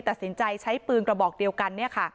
ตัดสินใจใช้ปืนกระบอกเดียวกัน